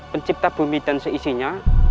pencipta bumi dan seisinya